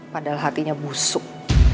padahal hatinya busuk